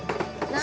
何？